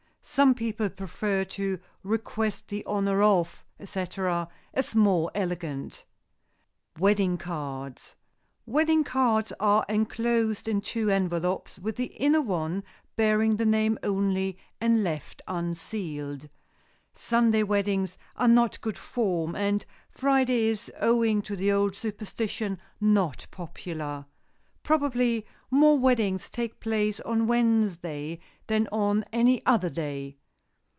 Some people prefer to "request the honor of," etc., as more elegant. [Sidenote: WEDDING CARDS] Wedding cards are enclosed in two envelopes, with the inner one bearing the name only and left unsealed. Sunday weddings are not good form, and Friday is, owing to the old superstition, not popular. Probably more weddings take place on Wednesday than on any other day.